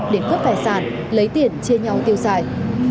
để cướp vẻ sàn lấy tiền chia nhau tiêu xài